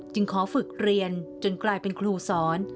ขอฝึกเรียนจนกลายเป็นครูสอน